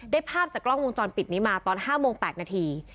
ภาพจากกล้องวงจรปิดนี้มาตอน๕โมง๘นาที